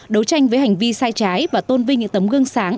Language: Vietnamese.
đấu tranh với hành vi sai trái và tôn vinh những tấm gương sáng